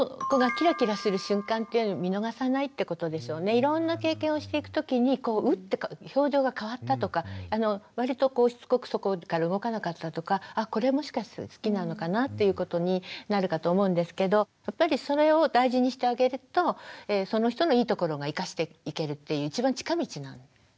いろんな経験をしていくときにウッて表情が変わったとか割としつこくそこから動かなかったとかあこれはもしかすると好きなのかなっていうことになるかと思うんですけどやっぱりそれを大事にしてあげるとその人のいいところが生かしていけるっていう一番近道なんですよね。